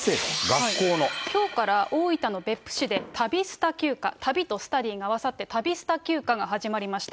きょうから大分の別府市でたびスタ休暇、旅とスタディーが合わさって、たびスタ休暇が始まりました。